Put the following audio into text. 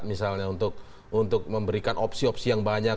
misalnya untuk memberikan opsi opsi yang banyak